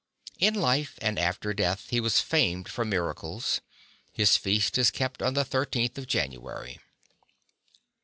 In life and after death he was famed for miracles. His feast is.kept on the 13th of January.